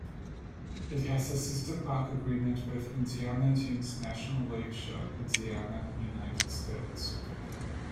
It has a sister park agreement with Indiana Dunes National Lakeshore, Indiana, United States.